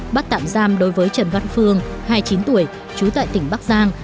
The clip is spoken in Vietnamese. bắt tạm giam đối với trần văn phương hai mươi chín tuổi trú tại tỉnh bắc giang